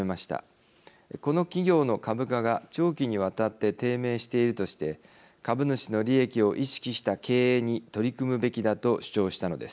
この企業の株価が長期にわたって低迷しているとして株主の利益を意識した経営に取り組むべきだと主張したのです。